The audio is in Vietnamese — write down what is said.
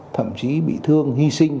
thậm chí bị thương hy sinh